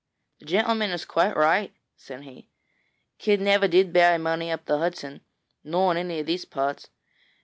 'The gentleman is quite right,' said he; 'Kidd never did bury money up the Hudson, nor in any of these parts.